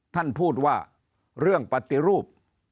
ท่านพูดว่าเรื่องปฏิรูป